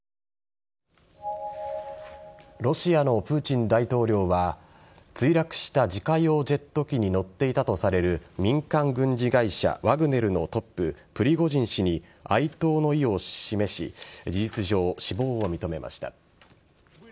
ロシアのプーチン大統領は墜落した自家用ジェット機に乗っていたとされる民間軍事会社・ワグネルのトッププリゴジン氏に哀悼の意を示し事実上、死亡を認めました。